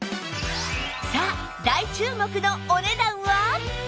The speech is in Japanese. さあ大注目のお値段は！？